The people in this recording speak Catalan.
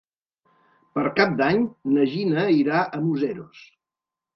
Per Cap d'Any na Gina irà a Museros.